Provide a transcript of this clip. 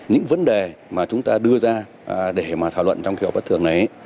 những vấn đề mà chúng ta đưa ra để mà thảo luận trong kỳ họp bất thường này